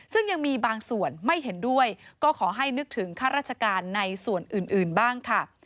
ซึ่งยังมีบางส่วนไม่เห็นด้วยก็ขอให้นึกถึงข้าราชการในส่วนอื่นบ้างค่ะ